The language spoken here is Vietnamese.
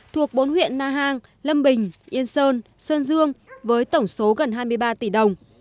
thuộc bốn huyện na hàng lâm bình yên sơn sơn dương với tổng số gần hai mươi ba tỷ đồng